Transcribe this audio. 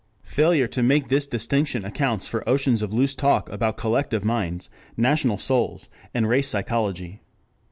Failure to make this distinction accounts for oceans of loose talk about collective minds, national souls, and race psychology.